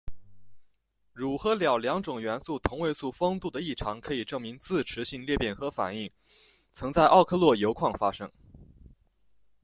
钕和钌两种元素同位素丰度的异常可以证明自持性裂变核反应曾在奥克洛铀矿发生。